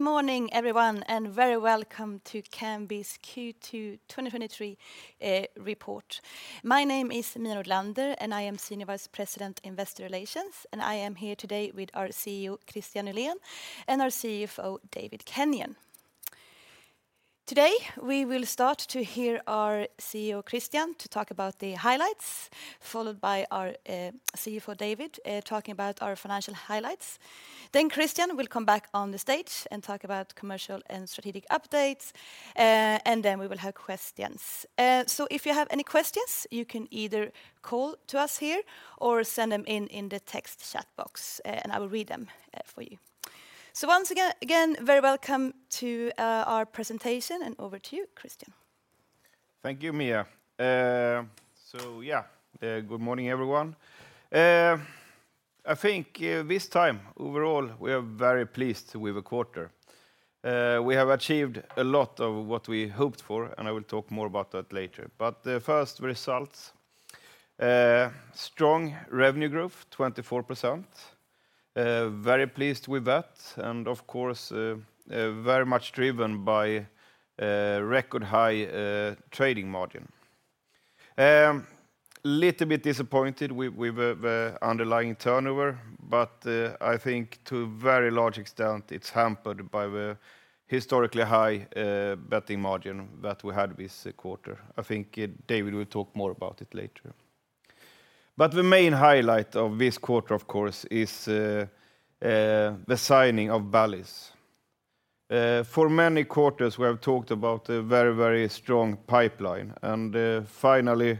Good morning, everyone, very welcome to Kambi's Q2 2023 report. My name is Mia Nordlander, and I am Senior Vice President, Investor Relations, and I am here today with our CEO, Kristian Nylén, and our CFO, David Kenyon. Today, we will start to hear our CEO, Kristian, to talk about the highlights, followed by our CFO, David, talking about our financial highlights. Then Kristian will come back on the stage and talk about commercial and strategic updates, then we will have questions. If you have any questions, you can either call to us here or send them in in the text chat box, and I will read them for you. Once again, very welcome to our presentation, and over to you, Kristian. Thank you, Mia. Yeah, good morning, everyone. I think this time, overall, we are very pleased with the quarter. We have achieved a lot of what we hoped for, and I will talk more about that later. The first results, strong revenue growth, 24%. Very pleased with that, and of course, very much driven by record high trading margin. Little bit disappointed with the underlying turnover, but I think to a very large extent, it's hampered by the historically high betting margin that we had this quarter. I think David will talk more about it later. The main highlight of this quarter, of course, is the signing of Bally's. For many quarters, we have talked about a very, very strong pipeline, and finally,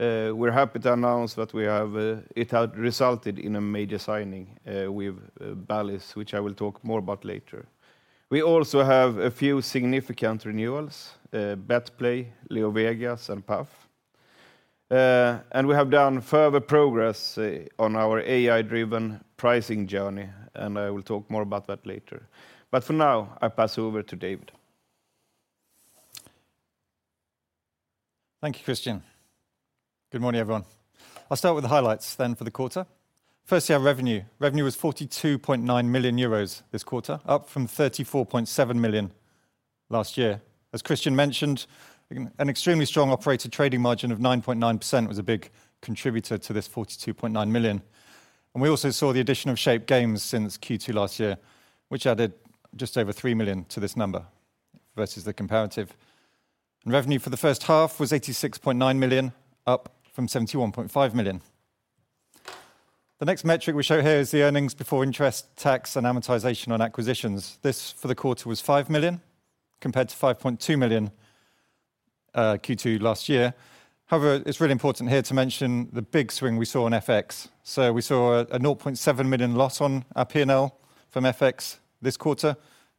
we're happy to announce that we have, it has resulted in a major signing with Bally's, which I will talk more about later. We also have a few significant renewals: BetPlay, LeoVegas, and Paf. We have done further progress on our AI-driven pricing journey, and I will talk more about that later. For now, I pass over to David. Thank you, Kristian. Good morning, everyone. I'll start with the highlights for the quarter. Firstly, our revenue. Revenue was 42.9 million euros this quarter, up from 34.7 million last year. As Kristian mentioned, an extremely strong operator trading margin of 9.9% was a big contributor to this 42.9 million. We also saw the addition of Shape Games since Q2 last year, which added just over 3 million to this number versus the comparative. Revenue for the first half was 86.9 million, up from 71.5 million. The next metric we show here is the earnings before interest, tax, and amortization on acquisitions. This, for the quarter, was 5 million, compared to 5.2 million Q2 last year. However, it's really important here to mention the big swing we saw in FX. We saw a 0.7 million loss on our P&L from FX this quarter,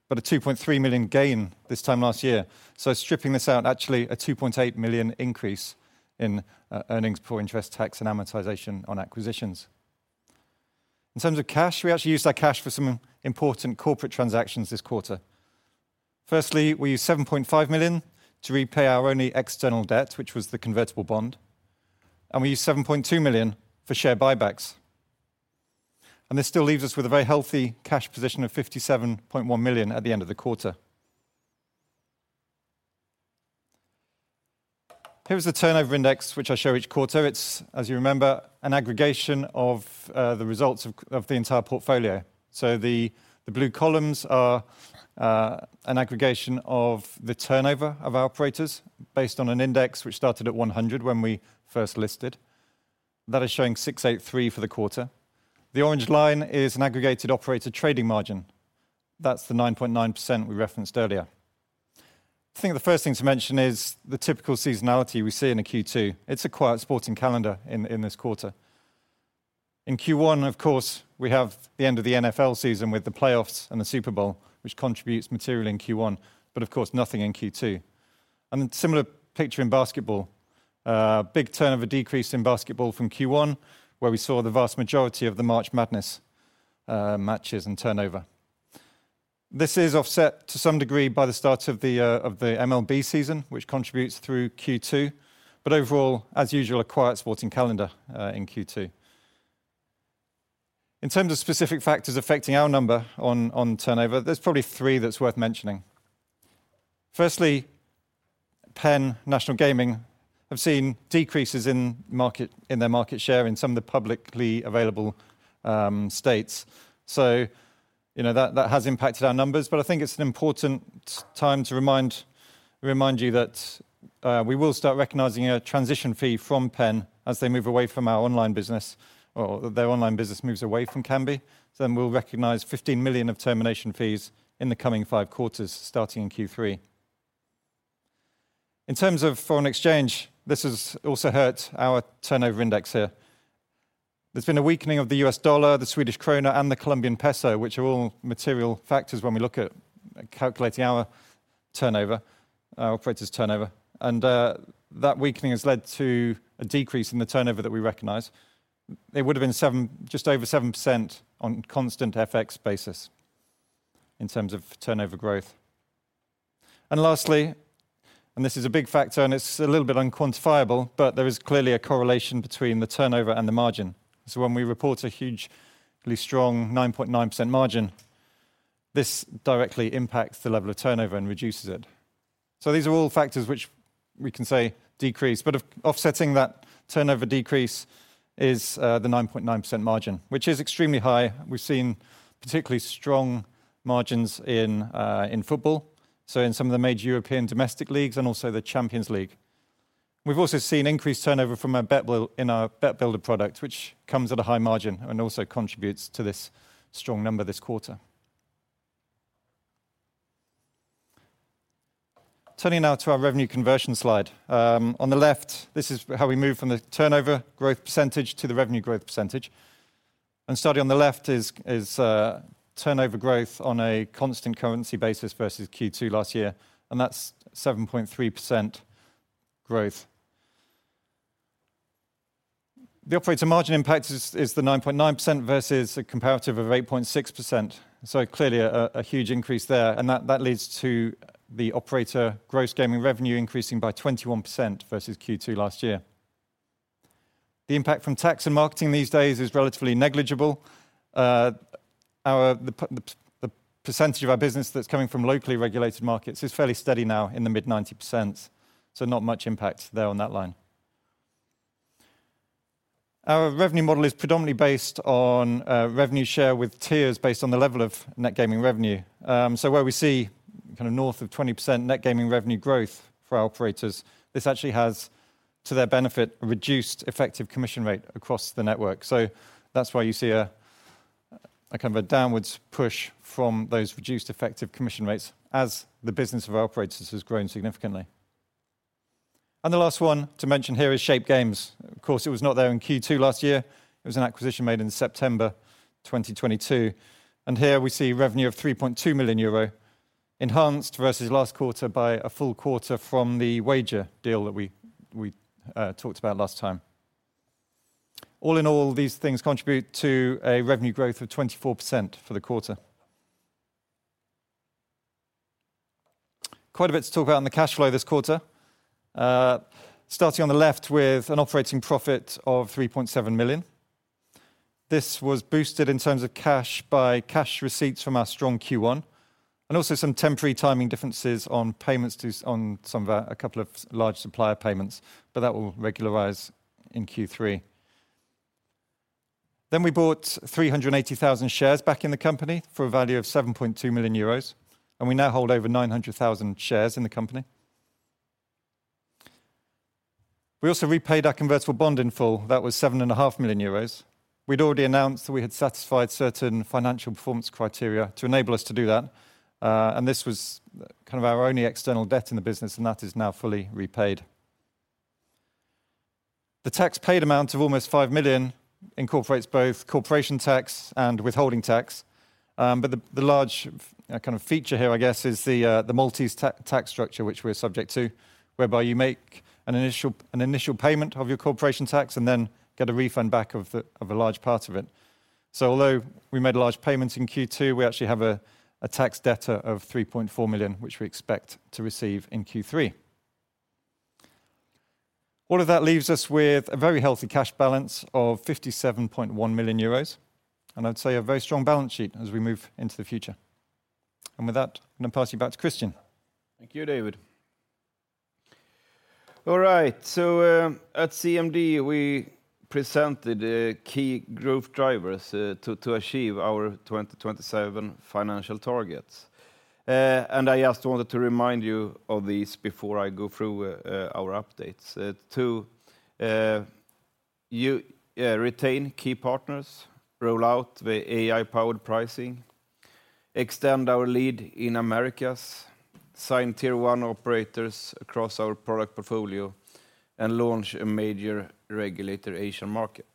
but a 2.3 million gain this time last year. Stripping this out, actually, a 2.8 million increase in earnings before interest, tax, and amortization on acquisitions. In terms of cash, we actually used that cash for some important corporate transactions this quarter. Firstly, we used 7.5 million to repay our only external debt, which was the convertible bond, and we used 7.2 million for share buybacks. This still leaves us with a very healthy cash position of 57.1 million at the end of the quarter. Here is the Turnover Index, which I show each quarter. It's, as you remember, an aggregation of the results of the entire portfolio. The blue columns are an aggregation of the turnover of our operators based on an index which started at 100 when we first listed. That is showing 683 for the quarter. The orange line is an aggregated operator trading margin. That's the 9.9% we referenced earlier. I think the first thing to mention is the typical seasonality we see in a Q2. It's a quiet sporting calendar in this quarter. In Q1, of course, we have the end of the NFL season with the playoffs and the Super Bowl, which contributes material in Q1, but of course, nothing in Q2. Similar picture in basketball. Big turnover decrease in basketball from Q1, where we saw the vast majority of the March Madness matches and turnover. This is offset to some degree by the start of the MLB season, which contributes through Q2, but overall, as usual, a quiet sporting calendar in Q2. In terms of specific factors affecting our number on turnover, there's probably three that's worth mentioning. Firstly, PENN Entertainment have seen decreases in their market share in some of the publicly available states. You know, that has impacted our numbers, but I think it's an important time to remind you that we will start recognizing a transition fee from PENN Entertainment as they move away from our online business, or their online business moves away from Kambi. We'll recognize 15 million of termination fees in the coming 5 quarters, starting in Q3. In terms of foreign exchange, this has also hurt our Turnover Index here. There's been a weakening of the US dollar, the Swedish krona, and the Colombian peso, which are all material factors when we look at calculating our turnover, our operators' turnover, and that weakening has led to a decrease in the turnover that we recognize. It would have been just over 7% on constant FX basis in terms of turnover growth. Lastly, and this is a big factor, and it's a little bit unquantifiable, but there is clearly a correlation between the turnover and the margin. When we report a hugely strong 9.9% margin, this directly impacts the level of turnover and reduces it. These are all factors which we can say decrease, but offsetting that turnover decrease is the 9.9% margin, which is extremely high. We've seen particularly strong margins in football, so in some of the major European domestic leagues and also the Champions League. We've also seen increased turnover from in our Bet Builder product, which comes at a high margin and also contributes to this strong number this quarter. Turning now to our revenue conversion slide. On the left, this is how we move from the turnover growth percentage to the revenue growth percentage. Starting on the left is turnover growth on a constant currency basis versus Q2 last year, and that's 7.3% growth. The operator margin impact is 9.9% versus a comparative of 8.6%. Clearly a huge increase there, and that leads to the operator gross gaming revenue increasing by 21% versus Q2 last year. The impact from tax and marketing these days is relatively negligible. The percentage of our business that's coming from locally regulated markets is fairly steady now in the mid-90%, so not much impact there on that line. Our revenue model is predominantly based on revenue share with tiers based on the level of net gaming revenue. Where we see kinda north of 20% net gaming revenue growth for our operators, this actually has, to their benefit, a reduced effective commission rate across the network. That's why you see a kind of a downwards push from those reduced effective commission rates as the business of our operators has grown significantly. The last one to mention here is Shape Games. Of course, it was not there in Q2 last year. It was an acquisition made in September 2022. Here we see revenue of 3.2 million euro, enhanced versus last quarter by a full quarter from the wager deal that we talked about last time. All in all, these things contribute to a revenue growth of 24% for the quarter. Quite a bit to talk about in the cash flow this quarter. Starting on the left with an operating profit of 3.7 million. This was boosted in terms of cash-by-cash receipts from our strong Q1, and also some temporary timing differences on payments on some of our a couple of large supplier payments, but that will regularize in Q3. We bought 380,000 shares back in the company for a value of 7.2 million euros, and we now hold over 900,000 shares in the company. We also repaid our convertible bond in full. That was seven and a half million EUR. We'd already announced that we had satisfied certain financial performance criteria to enable us to do that, and this was kind of our only external debt in the business, and that is now fully repaid. The tax paid amount of almost 5 million incorporates both corporation tax and withholding tax, but the large kind of feature here, I guess, is the Maltese tax structure, which we're subject to, whereby you make an initial payment of your corporation tax and then get a refund back of a large part of it. Although we made a large payment in Q2, we actually have a tax debtor of 3.4 million, which we expect to receive in Q3. All of that leaves us with a very healthy cash balance of 57.1 million euros, and I'd say a very strong balance sheet as we move into the future. With that, I'm going to pass you back to Kristian. Thank you, David. All right, so, at CMD, we presented the key growth drivers to achieve our 2027 financial targets. I just wanted to remind you of these before I go through our updates. To retain key partners, roll out the AI-powered pricing, extend our lead in Americas, sign Tier One operators across our product portfolio, and launch a major regulator Asian market.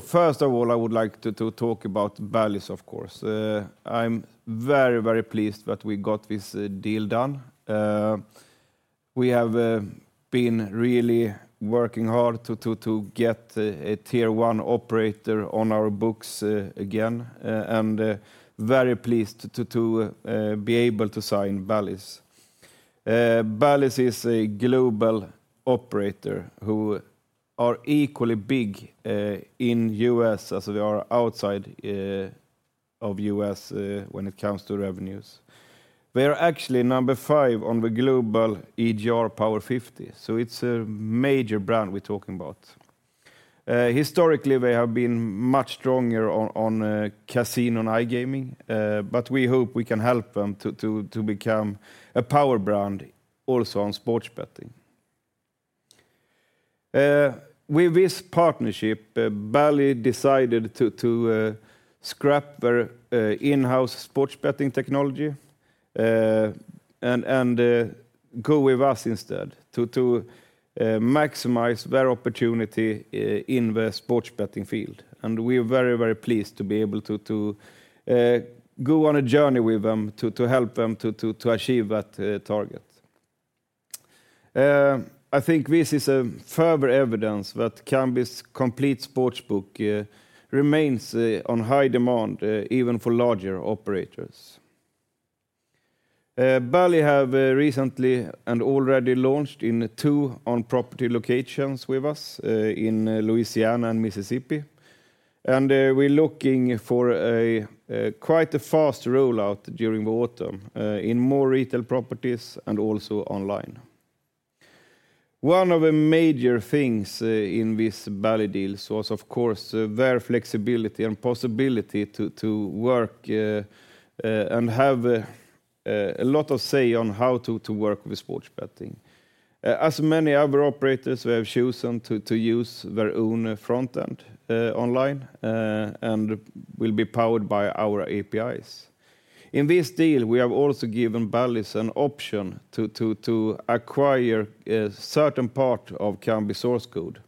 First of all, I would like to talk about Bally's, of course. I'm very pleased that we got this deal done. We have been really working hard to get a Tier One operator on our books again, very pleased to be able to sign Bally's. Bally's is a global operator who are equally big in U.S. as they are outside of U.S. when it comes to revenues. They are actually number 5 on the global EGR Power 50, so it's a major brand we're talking about. Historically, they have been much stronger on casino and iGaming, but we hope we can help them to become a power brand also on sports betting. With this partnership, Bally decided to scrap their in-house sports betting technology and go with us instead, to maximize their opportunity in the sports betting field. And we're very, very pleased to be able to go on a journey with them, to help them to achieve that target. I think this is a further evidence that Kambi's complete sportsbook remains on high demand even for larger operators. Bally have recently and already launched in two on-property locations with us in Louisiana and Mississippi. We're looking for a quite a fast rollout during the autumn in more retail properties and also online. One of the major things in this Bally deal was, of course, their flexibility and possibility to work and have a lot of say on how to work with sports betting. As many other operators, we have chosen to use their own front end online and will be powered by our APIs. In this deal, we have also given Bally an option to acquire a certain part of Kambi source code.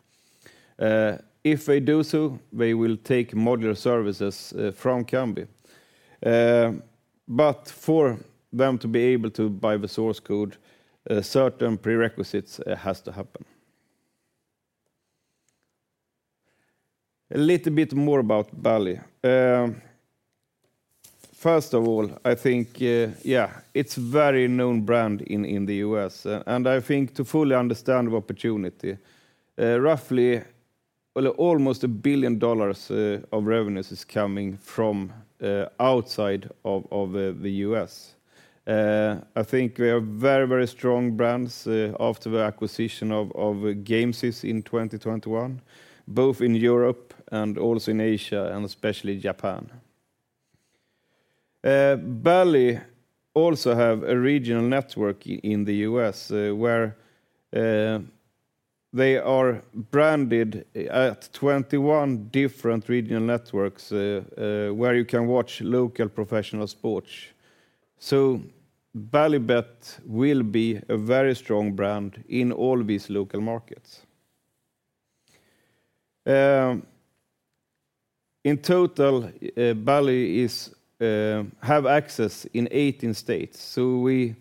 If they do so, they will take modular services from Kambi. For them to be able to buy the source code, certain prerequisites has to happen. A little bit more about Bally. First of all, I think, yeah, it's a very known brand in the U.S. I think to fully understand the opportunity, roughly, well, almost $1 billion of revenues is coming from outside of the U.S. I think they are very, very strong brands after the acquisition of Gamesys in 2021, both in Europe and also in Asia, and especially Japan. Bally also have a regional network in the U.S., where they are branded at 21 different regional networks where you can watch local professional sports. Bally Bet will be a very strong brand in all these local markets. In total, Bally is have access in 18 states, so we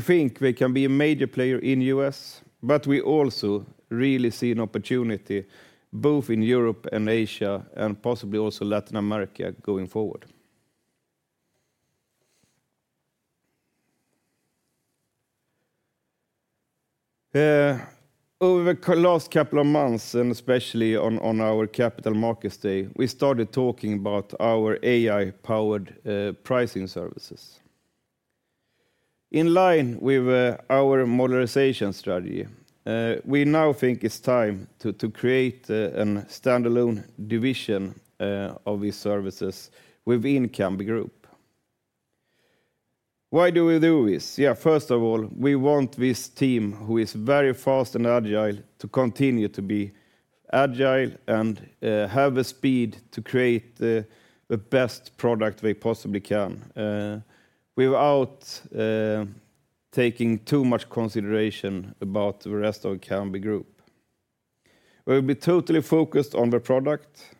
think they can be a major player in U.S., but we also really see an opportunity both in Europe and Asia, and possibly also Latin America going forward. Over the last couple of months, and especially on our Capital Markets Day, we started talking about our AI-powered pricing services. In line with our modularisation strategy, we now think it's time to create a standalone division of these services within Kambi Group. Why do we do this? First of all, we want this team, who is very fast and agile, to continue to be agile and have the speed to create the best product they possibly can, without taking too much consideration about the rest of Kambi Group. We'll be totally focused on the product,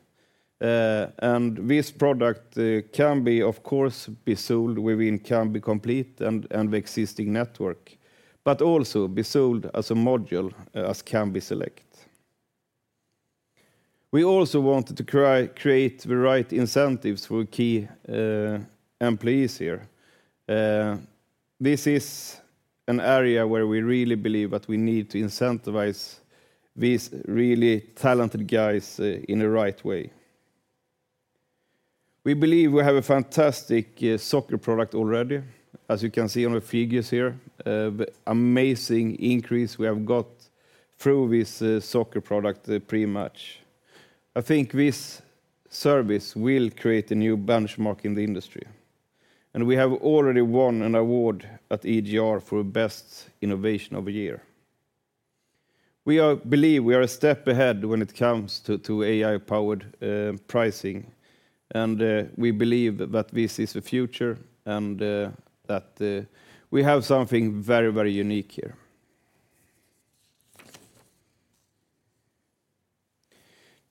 and this product can be, of course, be sold within Kambi Complete and the existing network, but also be sold as a module, as Kambi Select. We also wanted to create the right incentives for key employees here. This is an area where we really believe that we need to incentivize these really talented guys in the right way. We believe we have a fantastic soccer product already, as you can see on the figures here. The amazing increase we have got through this soccer product, the Pre-Match. I think this service will create a new benchmark in the industry, and we have already won an award at EGR for Best Innovation of the Year. We believe we are a step ahead when it comes to AI-powered pricing, and we believe that this is the future and that we have something very, very unique here.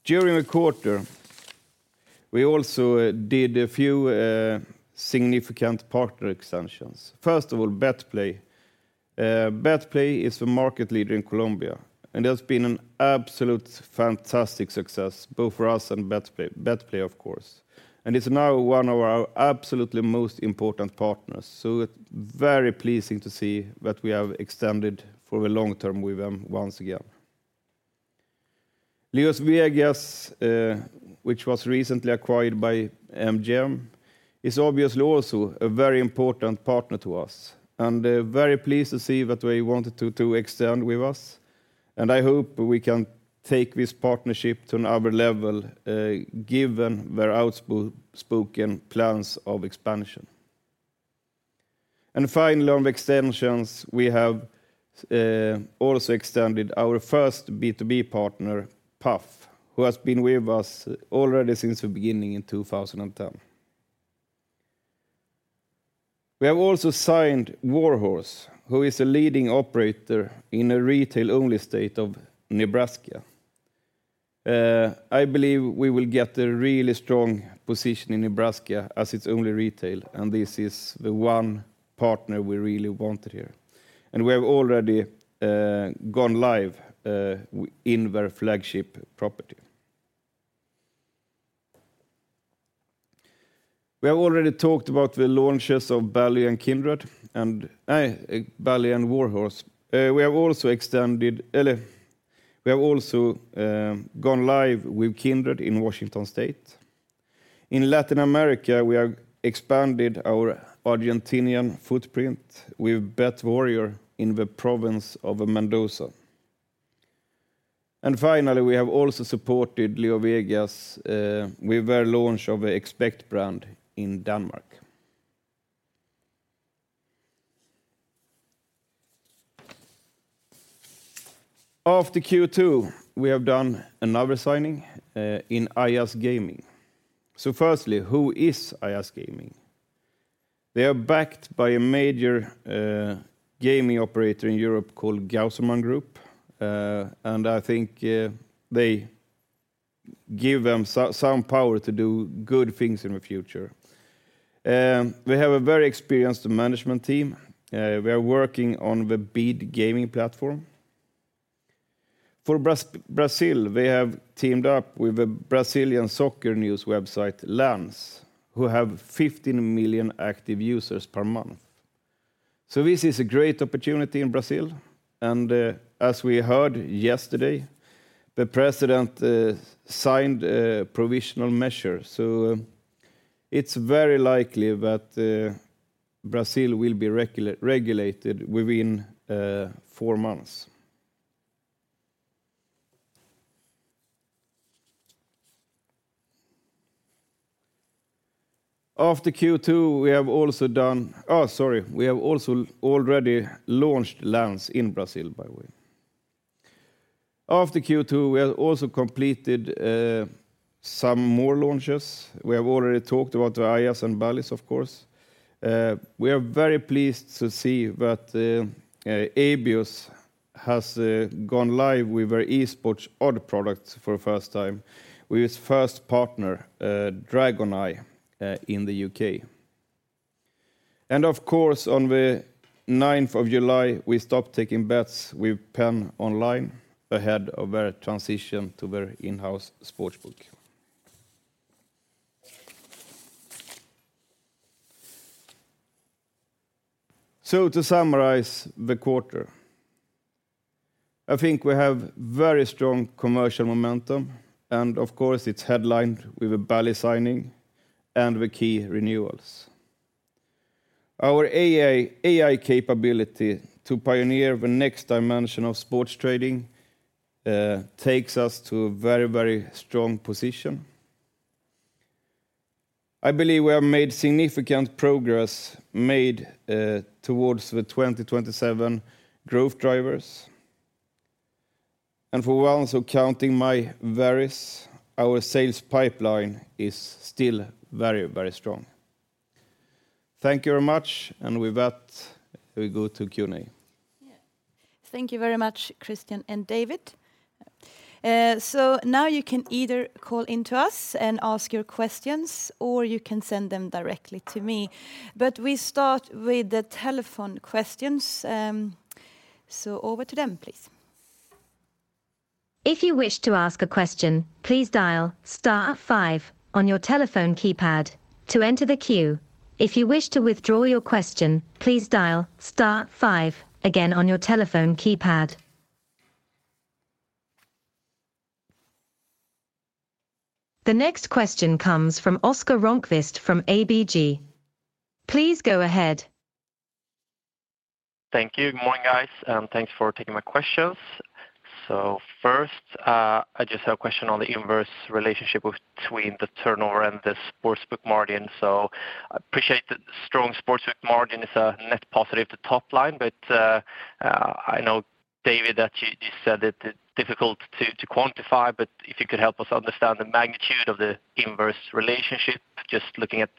During the quarter, we also did a few significant partner extensions. First of all, BetPlay. BetPlay is the market leader in Colombia, and it has been an absolute fantastic success, both for us and BetPlay, of course, and it's now one of our absolutely most important partners, so it's very pleasing to see that we have extended for the long term with them once again. LeoVegas, which was recently acquired by MGM, is obviously also a very important partner to us, and we're very pleased to see that they wanted to extend with us, and I hope we can take this partnership to another level, given their outspoken plans of expansion. Finally, on the extensions, we have also extended our first B2B partner, PAF, who has been with us already since the beginning in 2010. We have also signed Warhorse, who is a leading operator in the retail-only state of Nebraska. I believe we will get a really strong position in Nebraska as its only retail, and this is the one partner we really wanted here. We have already gone live in their flagship property. We have already talked about the launches of Bally and Kindred and Bally and Warhorse. We have also gone live with Kindred in Washington State. In Latin America, we have expanded our Argentinian footprint with BetWarrior in the province of Mendoza. Finally, we have also supported LeoVegas with their launch of the Expekt brand in Denmark. After Q2, we have done another signing in Eyas Gaming. Firstly, who is Eyas Gaming? They are backed by a major gaming operator in Europe called Gauselmann Group, and I think they give them some power to do good things in the future. They have a very experienced management team. We are working on the Bede Gaming platform. For Brazil, we have teamed up with a Brazilian soccer news website, Lance!, who have 15 million active users per month. This is a great opportunity in Brazil, as we heard yesterday, the president signed a Provisional Measure, it's very likely that Brazil will be regulated within 4 months. After Q2, we have also already launched Lance! in Brazil, by the way. After Q2, we have also completed some more launches. We have already talked about the Eyas and Bally's, of course. We are very pleased to see that Abios has gone live with our esports odds products for the first time, with its first partner, Dragoni, in the U.K. Of course, on the 9th of July, we stopped taking bets with PENN online ahead of their transition to their in-house sportsbook. To summarize the quarter, I think we have very strong commercial momentum. Of course, it's headlined with a Bally signing and the key renewals. Our AI capability to pioneer the next dimension of sports trading takes us to a very, very strong position. I believe we have made significant progress made towards the 2027 growth drivers. For once, counting my varies, our sales pipeline is still very, very strong. Thank you very much. With that, we go to Q&A. Yeah. Thank you very much, Kristian and David. Now you can either call in to us and ask your questions, or you can send them directly to me. We start with the telephone questions, over to them, please. The next question comes from Oscar Rönnkvist from ABG. Please go ahead. Thank you. Good morning, guys, thanks for taking my questions. First, I just have a question on the inverse relationship between the turnover and the sportsbook margin. I appreciate that the strong sportsbook margin is a net positive to top line, I know, David, that you said that it's difficult to quantify, if you could help us understand the magnitude of the inverse relationship. Just looking at,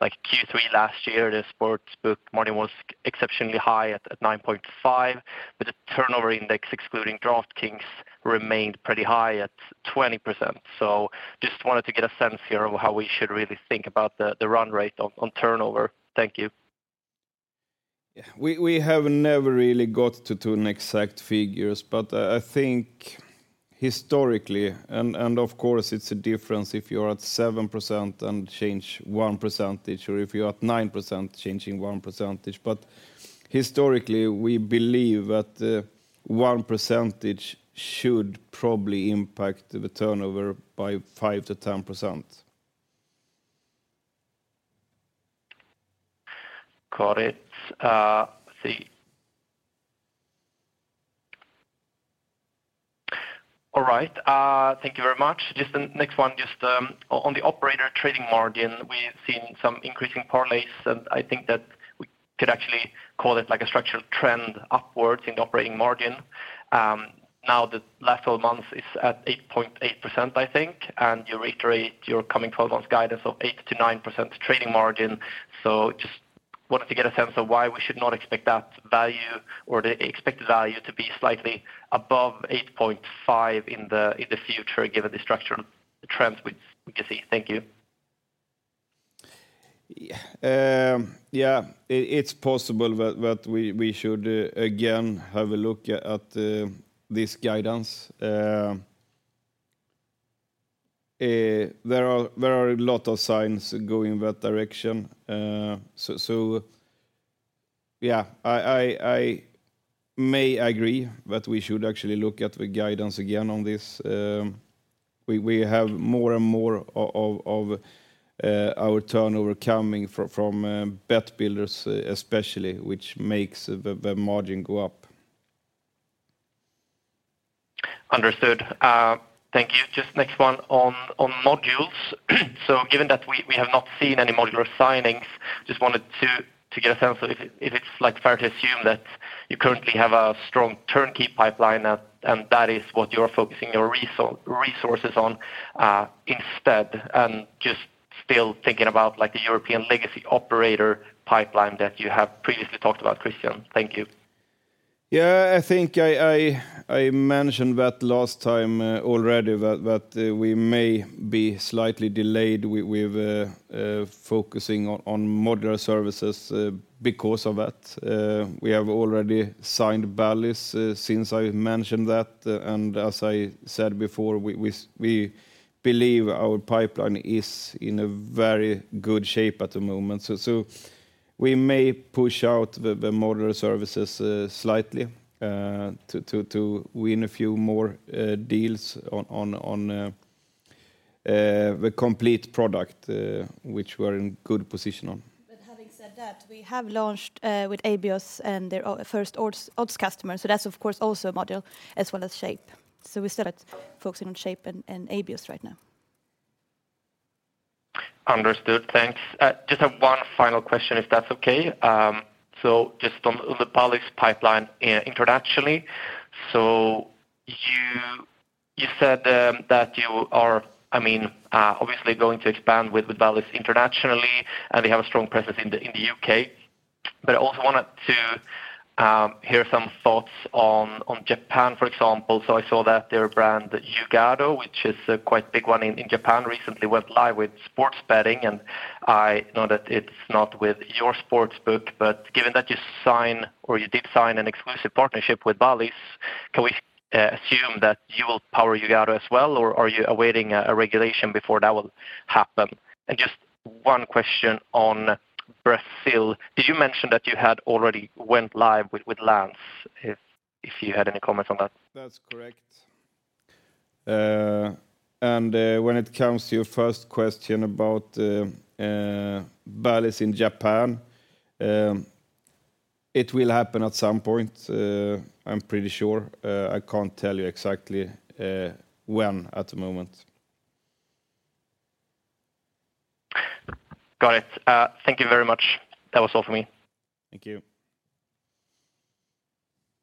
like, Q3 last year, the sportsbook margin was exceptionally high at 9.5, the Turnover Index, excluding DraftKings, remained pretty high at 20%. Just wanted to get a sense here of how we should really think about the run rate on turnover. Thank you. Yeah. We have never really got to an exact figures, but I think historically, and of course, it's a difference if you're at 7% and change 1%, or if you're at 9%, changing 1%. Historically, we believe that 1% should probably impact the turnover by 5%-10%. Got it. Let's see. All right, thank you very much. Just the next one, just on the operator trading margin, we've seen some increasing parlays, and I think that we could actually call it like a structural trend upwards in the operating margin. Now, the last 12 months is at 8.8%, I think, and you reiterate your coming 12 months guidance of 8%-9% trading margin. Wanted to get a sense of why we should not expect that value or the expected value to be slightly above 8.5% in the future, given the structural trends we can see. Thank you. Yeah, it's possible that we should again have a look at this guidance. There are a lot of signs going that direction. Yeah, I may agree that we should actually look at the guidance again on this. We have more and more of our turnover coming from Bet Builders especially, which makes the margin go up. Understood. Thank you. Just next one on modules. Given that we have not seen any modular signings, just wanted to get a sense of if it, if it's fair to assume that you currently have a strong turnkey pipeline, and that is what you're focusing your resources on instead. Just still thinking about the European legacy operator pipeline that you have previously talked about, Kristian. Thank you. Yeah, I think I mentioned that last time already, that we may be slightly delayed with focusing on modular services because of that. We have already signed Bally's since I mentioned that. As I said before, we believe our pipeline is in a very good shape at the moment. We may push out the modular services slightly to win a few more deals on the Complete Product, which we're in good position on. Having said that, we have launched with Abios and their first odds customer. That's of course, also a module as well as Shape. We're still at focusing on Shape and Abios right now. Understood. Thanks. Just have one final question, if that's okay. Just on the Bally's pipeline internationally. You said that you are, I mean, obviously going to expand with Bally's internationally, and they have a strong presence in the UK. I also wanted to hear some thoughts on Japan, for example. I saw that their brand, Yuugado, which is a quite big one in Japan, recently went live with sports betting, and I know that it's not with your sportsbook, but given that you sign or you did sign an exclusive partnership with Bally's, can we assume that you will power Yuugado as well, or are you awaiting a regulation before that will happen? Just one question on Brazil: Did you mention that you had already went live with Lance!? If you had any comments on that. That's correct. When it comes to your first question about Bally's in Japan, it will happen at some point, I'm pretty sure. I can't tell you exactly when at the moment. Got it. Thank you very much. That was all for me. Thank you.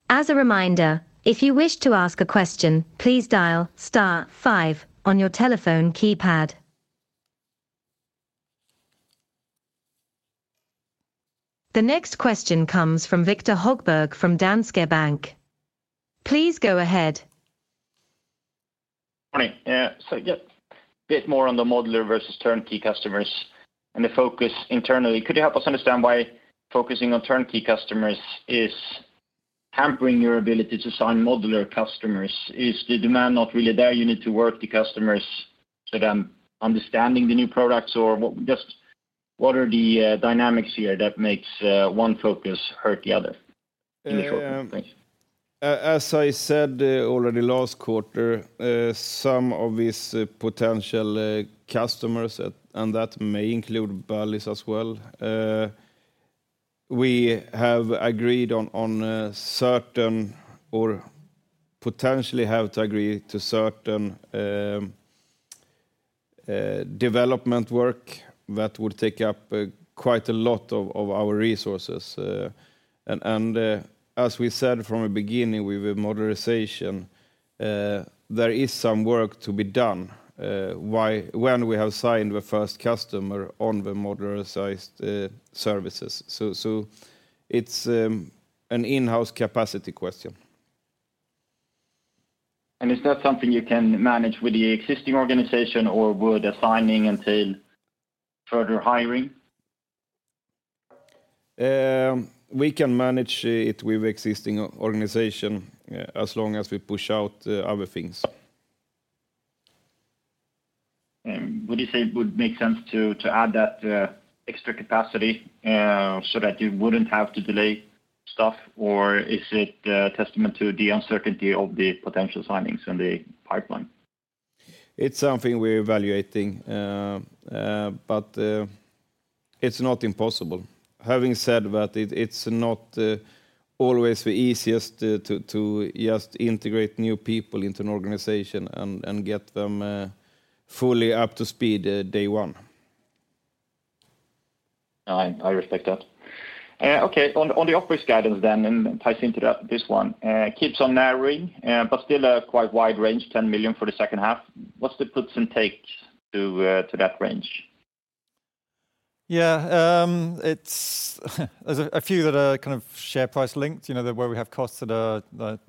The next question comes from Viktor Högberg from Danske Bank. Please go ahead. Morning. Yeah, bit more on the modular versus turnkey customers and the focus internally. Could you help us understand why focusing on turnkey customers is hampering your ability to sign modular customers? Is the demand not really there, you need to work the customers to them understanding the new products? Just what are the dynamics here that makes one focus hurt the other in the short term? Thanks. As I said, already last quarter, some of these potential customers, and that may include Bally's as well, we have agreed on certain or potentially have to agree to certain development work that would take up quite a lot of our resources. As we said from the beginning with the modularisation, there is some work to be done when we have signed the first customer on the modularized services. It's an in-house capacity question. Is that something you can manage with the existing organization, or would assigning entail further hiring? We can manage it with existing organization, as long as we push out, other things. Would you say it would make sense to add that extra capacity so that you wouldn't have to delay stuff? Or is it a testament to the uncertainty of the potential signings in the pipeline? It's something we're evaluating, but it's not impossible. Having said that, it's not always the easiest to just integrate new people into an organization and get them fully up to speed day one. I respect that. Okay, on the operations guidance then, and ties into this one, keeps on narrowing, but still a quite wide range, 10 million for the second half. What's the puts and takes to that range? There's a few that are kind of share price linked, you know, that where we have costs that are, that,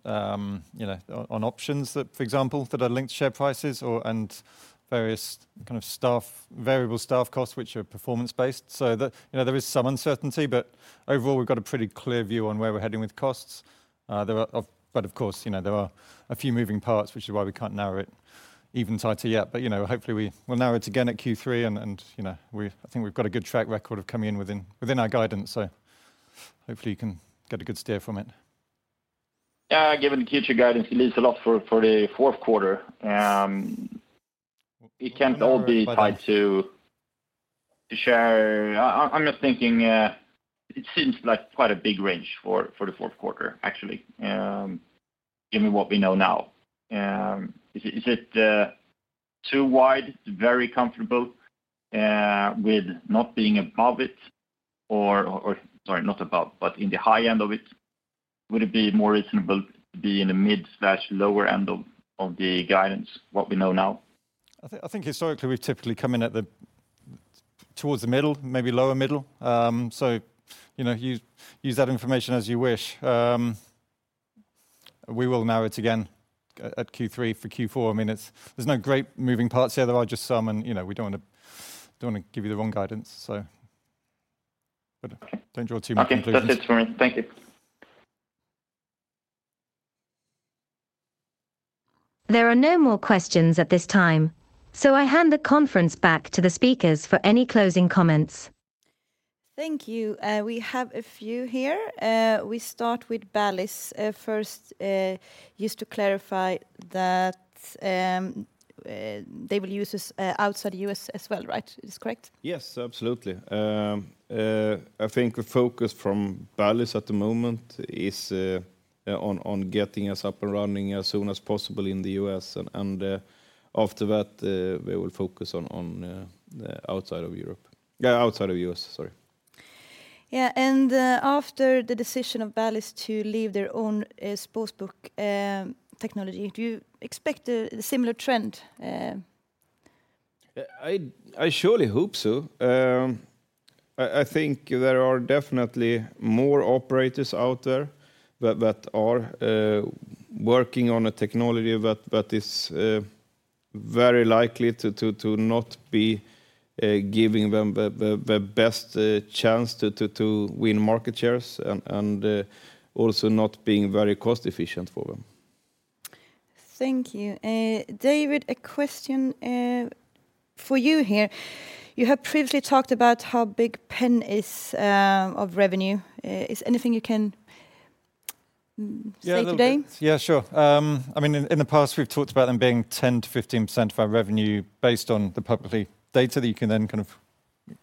you know, on options that, for example, that are linked to share prices or various kind of variable staff costs, which are performance-based. You know, there is some uncertainty, overall, we've got a pretty clear view on where we're heading with costs. There are of course, you know, there are a few moving parts, which is why we can't narrow it even tighter yet. You know, hopefully we will narrow it again at Q3, and, you know, I think we've got a good track record of coming in within our guidance, hopefully you can get a good steer from it. Yeah, given the future guidance, it leaves a lot for the Q4. It can't all be tied No. to share. I'm just thinking, it seems like quite a big range for the Q4, actually, given what we know now. Is it too wide? Very comfortable with not being above it or... Sorry, not above, but in the high end of it? Would it be more reasonable to be in the mid/lower end of the guidance, what we know now? I think historically, we've typically come in at the towards the middle, maybe lower middle. You know, use that information as you wish. We will narrow it again at Q3 for Q4. I mean, there's no great moving parts here. There are just some, and, you know, we don't wanna give you the wrong guidance, so. Don't draw too much conclusions. Okay, that's it for me. Thank you. There are no more questions at this time, so I hand the conference back to the speakers for any closing comments. Thank you. We have a few here. We start with Bally's. First, just to clarify that, they will use this, outside U.S. as well, right? It's correct? Yes, absolutely. I think the focus from Bally's at the moment is on getting us up and running as soon as possible in the US, and after that, we will focus on outside of US, sorry. Yeah, after the decision of Bally's to leave their own, sportsbook technology, do you expect the similar trend? I think there are definitely more operators out there that are working on a technology that is very likely to not be giving them the best chance to win market shares and also not being very cost efficient for them Thank you. David, a question for you here. You have previously talked about how big PENN is of revenue. Is anything you can say today? A little bit. Yeah, sure. I mean, in the past, we've talked about them being 10%-15% of our revenue, based on the publicly data, that you can then kind of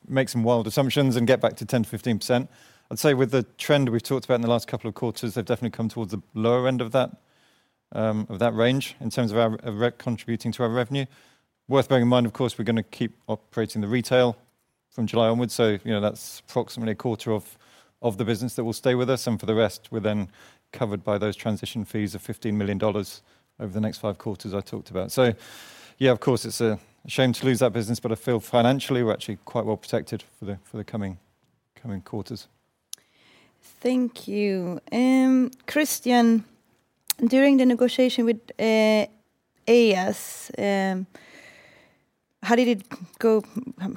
make some wild assumptions and get back to 10%-15%. I'd say with the trend we've talked about in the last couple of quarters, they've definitely come towards the lower end of that, of that range in terms of contributing to our revenue. Worth bearing in mind, of course, we're gonna keep operating the retail from July onwards, you know, that's approximately a quarter of the business that will stay with us, and for the rest, we're then covered by those transition fees of $15 million over the next five quarters I talked about. Yeah, of course, it's a shame to lose that business, but I feel financially, we're actually quite well protected for the coming quarters. Thank you. Kristian, during the negotiation with Eyas, how did it go?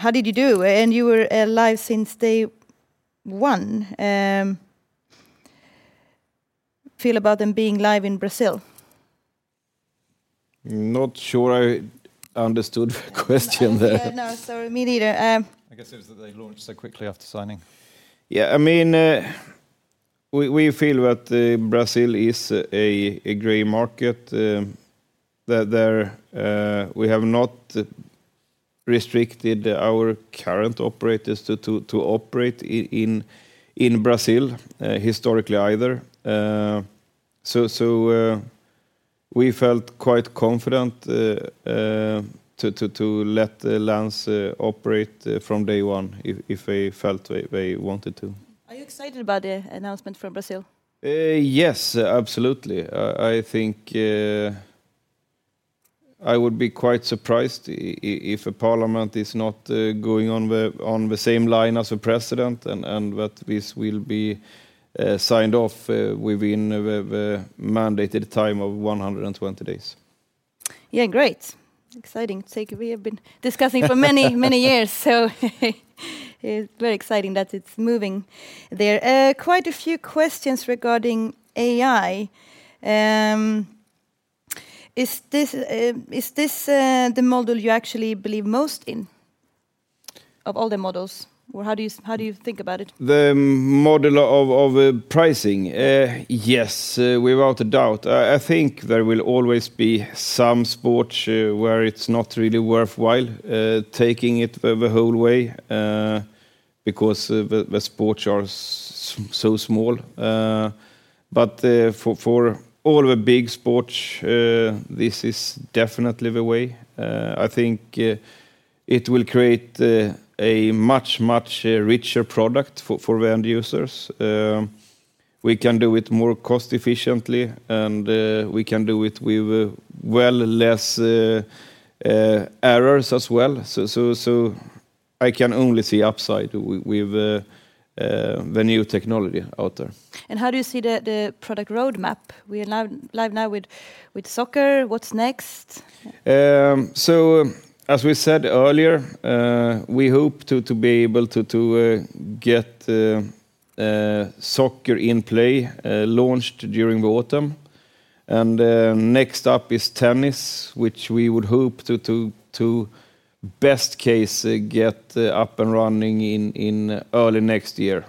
How did you do? You were live since day one. How do you feel about them being live in Brazil? Not sure I understood the question there. No. Sorry, me neither. I guess it was that they launched so quickly after signing. I mean, we feel that Brazil is a great market, that there. We have not restricted our current operators to operate in Brazil historically either. We felt quite confident to let the Lance! operate from day one if they felt they wanted to. Are you excited about the announcement from Brazil? Yes, absolutely. I think I would be quite surprised if a parliament is not going on the same line as the president, and that this will be signed off within the mandated time of 120 days. Yeah, great. Exciting sake. We have been discussing-... for many, many years, so it's very exciting that it's moving there. Quite a few questions regarding AI. Is this the model you actually believe most in, of all the models? How do you think about it? The model of pricing? Yes, without a doubt. I think there will always be some sports where it's not really worthwhile taking it the whole way because the sports are so small. For all the big sports, this is definitely the way. I think it will create a much richer product for the end users. We can do it more cost efficiently, and we can do it with well less errors as well. I can only see upside with the new technology out there. How do you see the product roadmap? We are now live with soccer. What's next? So as we said earlier, we hope to be able to get soccer in-play launched during the autumn. Next up is tennis, which we would hope to best case get up and running in early next year.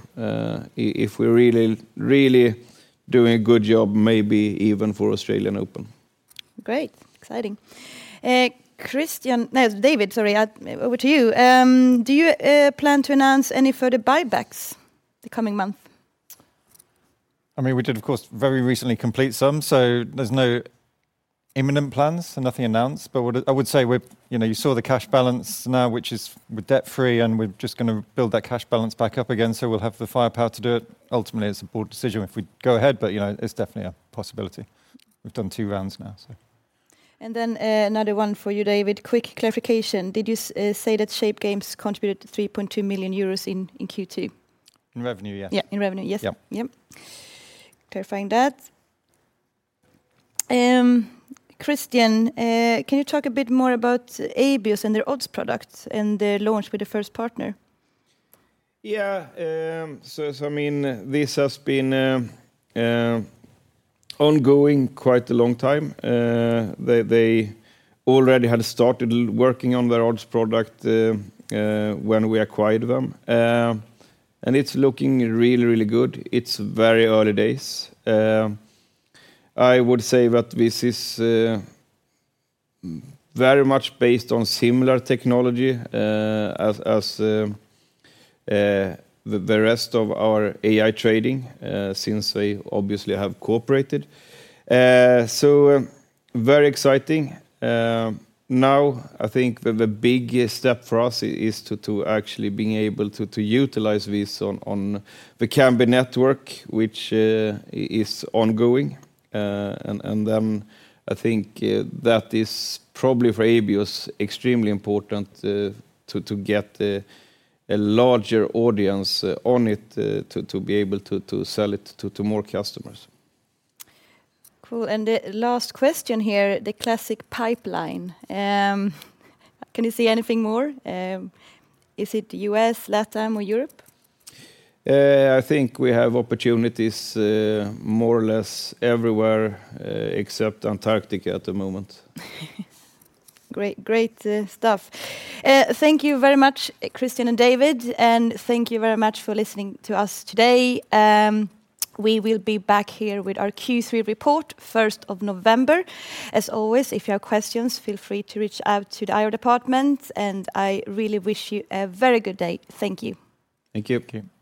If we're really doing a good job, maybe even for Australian Open. Great. Exciting. David, sorry, over to you. Do you plan to announce any further buybacks the coming month? I mean, we did, of course, very recently complete some, so there's no imminent plans, so nothing announced. What I would say we're. You know, you saw the cash balance now, which is we're debt-free, and we're just gonna build that cash balance back up again, so we'll have the firepower to do it. Ultimately, it's a board decision if we go ahead, but, you know, it's definitely a possibility. We've done two rounds now, so. another one for you, David. Quick clarification: did you say that Shape Games contributed to €3.2 million in Q2? In revenue, yes. Yeah, in revenue. Yes. Yeah. Yep. Clarifying that. kristian, can you talk a bit more about Abios and their odds products and the launch with the first partner? Yeah. I mean, this has been ongoing quite a long time. They already had started working on their odds product when we acquired them. It's looking really, really good. It's very early days. I would say that this is very much based on similar technology as the rest of our AI trading since they obviously have cooperated. Very exciting. Now I think the biggest step for us is to actually being able to utilize this on the Kambi network, which is ongoing. Then I think that is probably for Abios, extremely important to get a larger audience on it to be able to sell it to more customers. Cool. The last question here, the classic pipeline. Can you say anything more? Is it U.S., LatAm, or Europe? I think we have opportunities, more or less everywhere, except Antarctica at the moment. Great, great stuff. Thank you very much, Kristian and David, and thank you very much for listening to us today. We will be back here with our Q3 report, 1st of November. As always, if you have questions, feel free to reach out to the IR department, and I really wish you a very good day. Thank you. Thank you. Thank you.